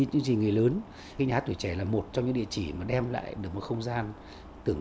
chương trình người lớn nhà hát tuổi trẻ là một trong những địa chỉ mà đem lại được một không gian tưởng